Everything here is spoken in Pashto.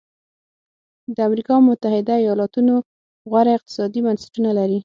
د امریکا متحده ایالتونو غوره اقتصادي بنسټونه لري.